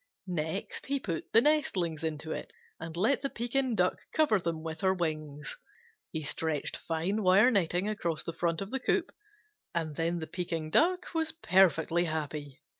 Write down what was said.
Next he put the nestlings into it and let the Pekin Duck cover them with her wings. He stretched fine wire netting across the front of the coop, and then the Pekin Duck was perfectly happy.